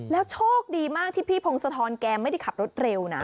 โชคดีมากที่พี่พงศธรแกไม่ได้ขับรถเร็วนะ